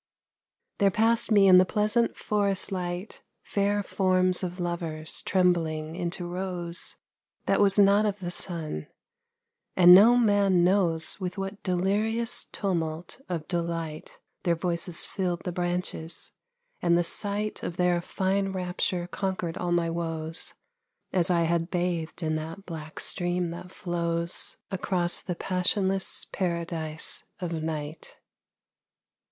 There passed me in the pleasant forest light Fair forms of lovers trembling into rose That was not of the sun, and no man knows With what delirious tumult of delight Their voices filled the branches, and the sight Of their fine rapture conquered all my woes, As I had bathed in that black stream that flows Across the passionless paradise of night.